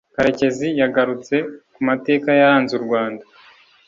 Karekezi yagarutse ku mateka yaranze u Rwanda